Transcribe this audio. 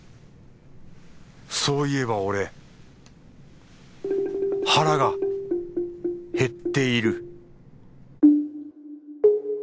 そういえば俺腹が減っている